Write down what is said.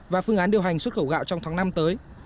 và phương án điều hành xuất khẩu gạo trong tháng năm tới